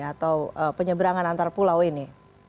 atau penyeberangan antar pulau ini